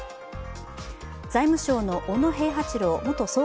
財務省の小野平八郎元総括